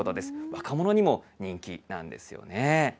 若者にも人気なんですよね。